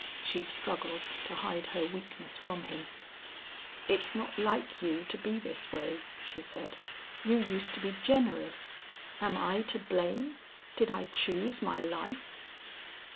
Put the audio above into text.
She struggled to hide her weakness from him. "It's not like you to be this way," she said. "You used to be generous. Am I to blame? Did I choose my life?"